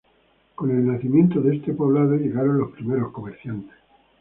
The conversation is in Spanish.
Con el nacimiento de este poblado, llegaron los primeros comerciantes.